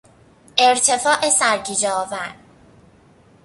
ارتفاع سرگیجهآور